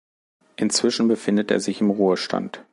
Inzwischen befindet er sich im Ruhestand.